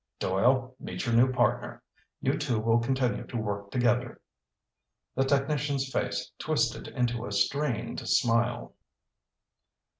"Doyle, meet your new partner. You two will continue to work together." The technician's face twisted into a strained smile.